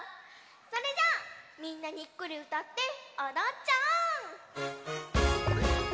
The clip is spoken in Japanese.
それじゃあみんなにっこりうたっておどっちゃおう！